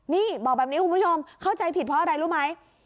นี่บอกแบบนี้คุณผู้ชมเข้าใจผิดเพราะอะไรรู้ไหม